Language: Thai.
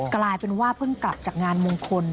กลายเป็นว่าเพิ่งกลับจากงานมงคล